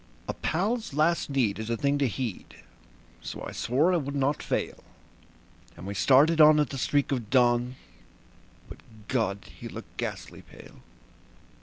A pal's last need is a thing to heed, so I swore I would not fail; And we started on at the streak of dawn; but God! he looked ghastly pale.